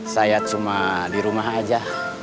saya cuma di rumah aja